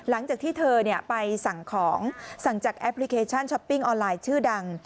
หลังจากที่เธอไปสั่งของสั่งจากแอปพลิเคชันช้อปปิ้งออนไลน์ชื่อดัง